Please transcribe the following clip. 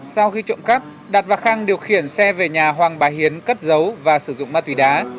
sau khi trộm cắp đạt và khang điều khiển xe về nhà hoàng bà hiến cất giấu và sử dụng ma túy đá